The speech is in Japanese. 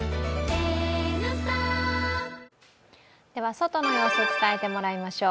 外の様子、伝えてもらいましょう。